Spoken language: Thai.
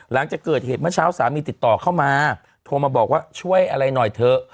หลังจากเกิดเหตุเมื่อเช้าสามีติดต่อเข้ามาโทรมาบอกว่าช่วยอะไรหน่อยเถอะ